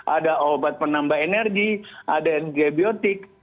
ada obat penambah energi ada antibiotik